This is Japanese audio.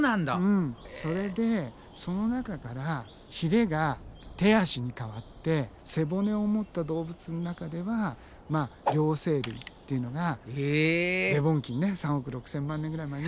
うんそれでその中からヒレが手足に変わって背骨を持った動物の中では両生類っていうのがデボン紀にね３億６，０００万年ぐらい前に。